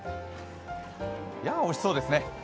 いやぁ、おいしそうですね。